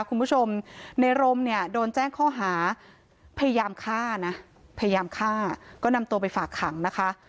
คุณผู้ชมในรมเนี่ยโดนแจ้งข้อหาพยายามฆ่านะพยายามฆ่าก็นำตัวไปฝากขังนะคะ